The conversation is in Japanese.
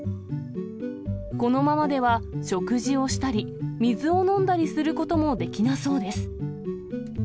このままでは食事をしたり、水を飲んだりすることもできなそうです。